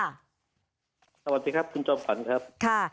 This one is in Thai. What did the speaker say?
สวัสดีครับคุณจอมขวัญครับ